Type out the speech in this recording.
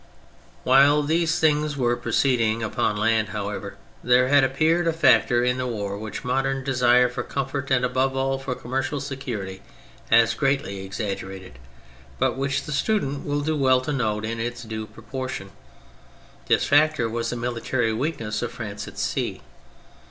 •••*.. While these things were proceeding upon land, however, there had appeared a factor in the war which modern desire for comfort and, above all, for commercial security has greatly exaggerated, but which the student will do well to note in its due proportion. This factor was the military weakness of France at sea.